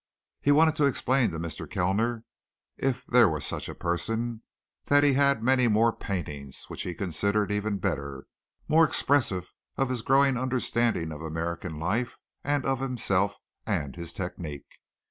He wanted to explain to Mr. Kellner, if there were such a person, that he had many more paintings which he considered even better more expressive of his growing understanding of American life and of himself and his technique.